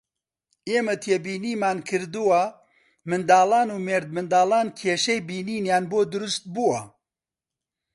ئێمە تێبینیمان کردووە منداڵان و مێردمنداڵان کێشەی بینینیان بۆ دروستبووە